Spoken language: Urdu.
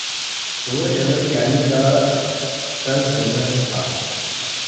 تو وہ جنرل کیانی کا تذبذب تھا۔